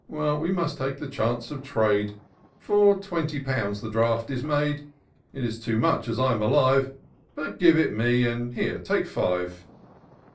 Well, we must take the chance of trade ; For twenty pounds the draft is made ; It is too much, as I'm alive, But give it me — and, here, take five."